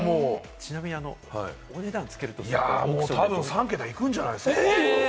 ちなみにお値段つけるとしたたぶん３桁いくんじゃないですか？